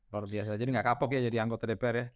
luar biasa jadi nggak kapok ya jadi anggota dpr ya